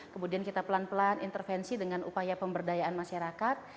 kemudian kita pelan pelan intervensi dengan upaya pemberdayaan masyarakat